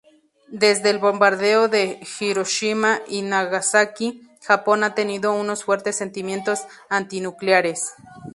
Desde el bombardeo de Hiroshima y Nagasaki, Japón ha tenido unos fuertes sentimientos antinucleares.